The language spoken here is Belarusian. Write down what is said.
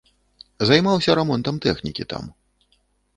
Займаўся рамонтам тэхнікі там.